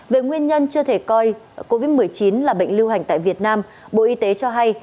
về nguyên nhân chưa thể coi covid một mươi chín là bệnh lưu hành tại việt nam bộ y tế cho hay